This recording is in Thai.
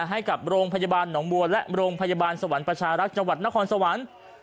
ให้กับโรงพยาบาลหนองบัวและโรงพยาบาลสวรรค์ประชารักษ์จังหวัดนครสวรรค์